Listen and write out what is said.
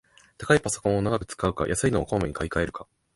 高いパソコンを長く使うか、安いのをこまめに買いかえるか